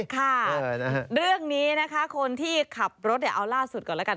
ค่ะเรื่องนี้นะคะคนที่ขับรถเอาล่าสุดก่อนแล้วกัน